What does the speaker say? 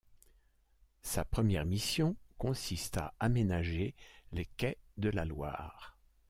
Sa première mission consiste à aménager les quais de la Loire.